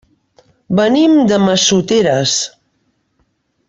Venim de Massoteres.